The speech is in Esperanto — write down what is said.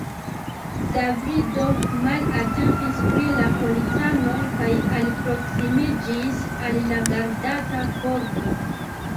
Davido malatentis pri la policanoj kaj alproksimiĝis al la gardata pordo.